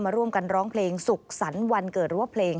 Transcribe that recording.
มาร่วมกันร้องเพลงสุขสันวันเกิดรั้วเพลง